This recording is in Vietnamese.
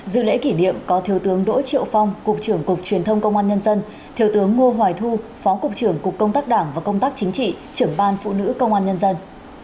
dự lễ kỷ niệm có thiếu tướng đỗ triệu phong cục trưởng cục truyền thông công an nhân dân thiếu tướng ngô hoài thu phó cục trưởng cục công tác đảng và công tác chính trị trưởng ban phụ nữ công an nhân dân